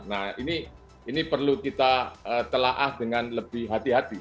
nah ini perlu kita telah dengan lebih hati hati